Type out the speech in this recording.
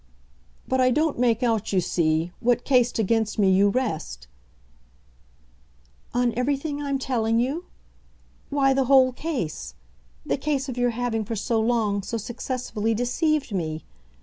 "But I don't make out, you see, what case against me you rest " "On everything I'm telling you? Why, the whole case the case of your having for so long so successfully deceived me.